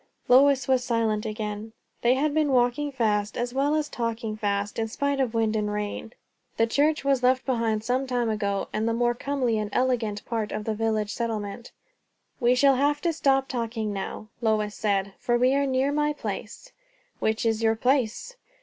'" Lois was silent again. They had been walking fast, as well as talking fast, spite of wind and rain; the church was left behind some time ago, and the more comely and elegant part of the village settlement. "We shall have to stop talking now," Lois said, "for we are near my place." "Which is your place?"